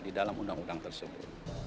di dalam undang undang tersebut